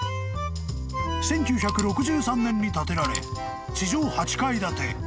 ［１９６３年に建てられ地上８階建て］